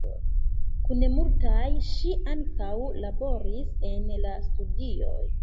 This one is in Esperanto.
Kun multaj ŝi ankaŭ laboris en la studioj.